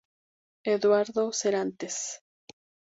Eduardo Serantes.